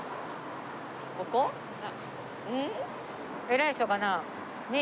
偉い人かな？ねえ。